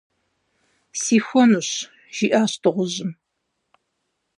- Сихуэнущ, - жиӏащ дыгъужьым.